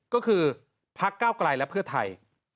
ก็คือพักเก้าไกลและเพื่อไทย